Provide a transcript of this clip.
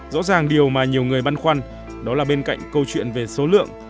rõ ràng điều mà nhiều người băn khoăn đó là bên cạnh câu chuyện về số lượng